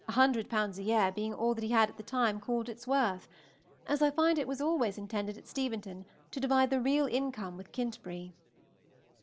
_ a year being all that he had at the time called its worth, as I find it was always intended at Steventon to divide the real income with Kintbury.